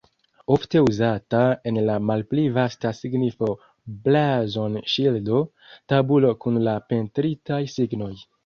Ofte uzata en la malpli vasta signifo blazon-ŝildo, tabulo kun la pentritaj signoj.